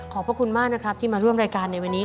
พระคุณมากนะครับที่มาร่วมรายการในวันนี้